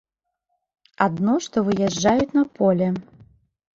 Адно, што выязджаюць на поле.